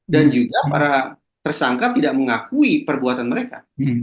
dan juga para tersangka tidak mengakui perbuatan mereka